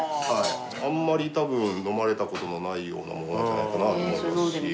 あんまり多分飲まれた事のないようなものなんじゃないかなと思いますし。